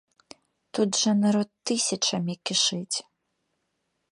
Тут жа народ тысячамі кішыць.